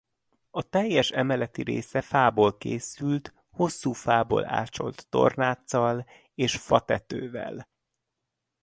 A teljes emeleti része fából épült hosszú fából ácsolt tornáccal és fa tetővel.